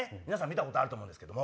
見たことあると思うんですけど。